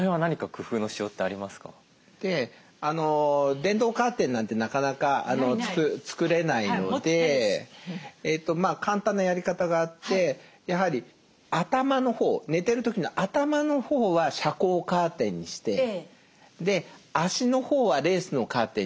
電動カーテンなんてなかなか作れないので簡単なやり方があってやはり頭の方寝てる時の頭の方は遮光カーテンにしてで足の方はレースのカーテンにして。